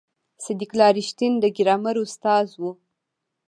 صدیق الله رښتین د ګرامر استاد و.